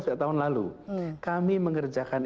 setahun lalu kami mengerjakan